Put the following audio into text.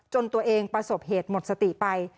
ตัวเองประสบเหตุหมดสติไป